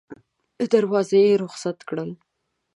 له دروازې یې رخصت کړل.